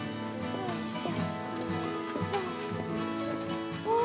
よいしょ。